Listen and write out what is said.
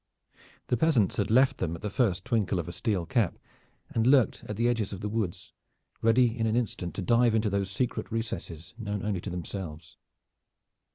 The peasants had left them at the first twinkle of a steel cap, and lurked at the edges of the woods, ready in an instant to dive into those secret recesses known only to themselves.